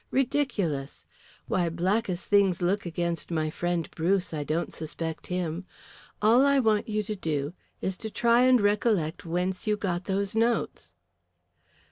Ridiculous! Why, black as things look against my friend Bruce, I don't suspect him. All I want you to do is to try and recollect whence you got those notes."